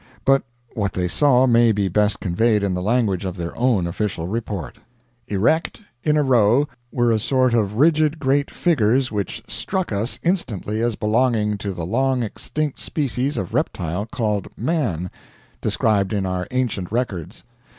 But what they saw may be best conveyed in the language of their own official report: "Erect, in a row, were a sort of rigid great figures which struck us instantly as belonging to the long extinct species of reptile called MAN, described in our ancient records.